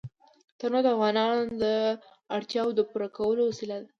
تنوع د افغانانو د اړتیاوو د پوره کولو وسیله ده.